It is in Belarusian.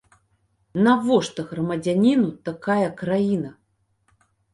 Навошта грамадзяніну такая краіна?!